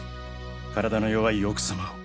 体の弱い奥様を。